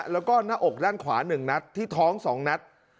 แล้วก็หน้าอกด้านขวา๑นัดที่ท้อง๒นัด